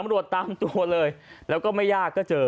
ตำรวจตามตัวเลยแล้วก็ไม่ยากก็เจอ